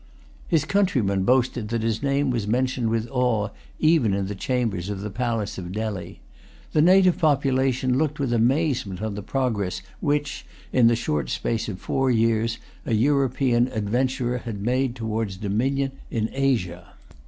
His countrymen boasted that his name was mentioned with awe even in the chambers of the palace of Delhi. The native population looked with amazement on the progress which, in the short space of four years, an European adventurer had made towards dominion in Asia.